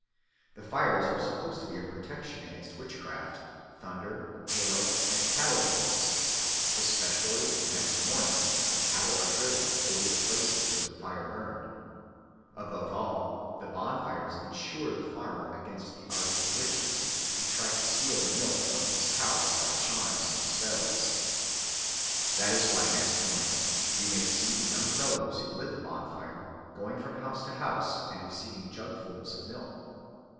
The fires are supposed to be a protection against witchcraft, thunder, hail, and cattle disease, especially if next morning the cattle are driven over the places where the fires burned. Above all, the bonfires ensure the farmer against the arts of witches, who try to steal the milk from his cows by charms and spells. That is why next morning you may see the young fellows who lit the bonfire going from house to house and receiving jugfuls of milk.